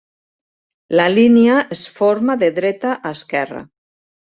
La línia es forma de dreta a esquerra.